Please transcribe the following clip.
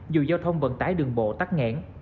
dù giao thông vận tải đường bộ tắt nghẹn